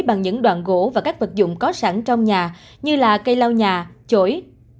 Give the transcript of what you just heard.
bằng những đoạn gỗ và các vật dụng có sẵn trong nhà như là cây lau nhà chổi